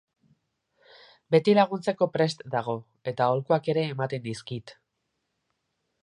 Beti laguntzeko prest dago, eta aholkuak ere ematen dizkit.